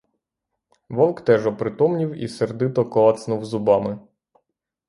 Вовк теж опритомнів і сердито клацнув зубами.